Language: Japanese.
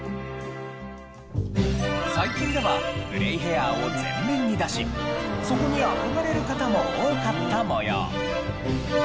最近ではグレイへアーを前面に出しそこに憧れる方も多かった模様。